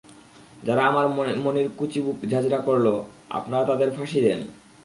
যারা আমার মণির কচি বুক ঝাঁজরা করল, আপনারা তাদের ধরে ফাঁসি দেন।